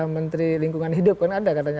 menteri lingkungan hidup kan ada katanya